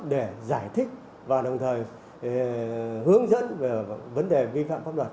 để giải thích và đồng thời hướng dẫn về vấn đề vi phạm pháp luật